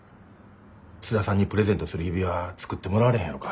津田さんにプレゼントする指輪作ってもらわれへんやろか。